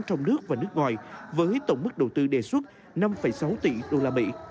trong nước và nước ngoài với tổng mức đầu tư đề xuất năm sáu tỷ usd